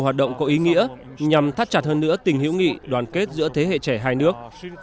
hoạt động có ý nghĩa nhằm thắt chặt hơn nữa tình hữu nghị đoàn kết giữa thế hệ trẻ hai nước